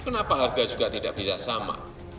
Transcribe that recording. kenapa harga juga tidak bisa sama